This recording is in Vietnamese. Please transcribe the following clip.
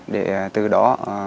để từ đó